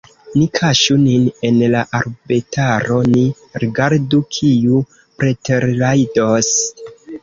Ni kaŝu nin en la arbetaro, ni rigardu, kiu preterrajdos.